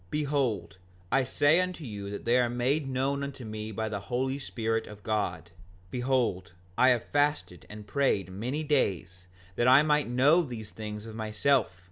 5:46 Behold, I say unto you they are made known unto me by the Holy Spirit of God. Behold, I have fasted and prayed many days that I might know these things of myself.